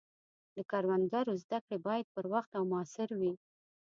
د کروندګرو زده کړې باید پر وخت او موثر وي.